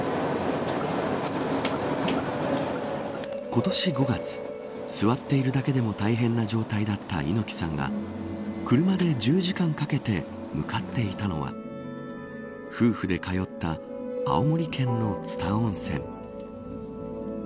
今年５月、座っているだけでも大変な状態だった猪木さんが車で１０時間かけて向かっていたのは夫婦で通った青森県の蔦温泉。